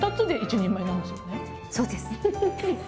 そうです！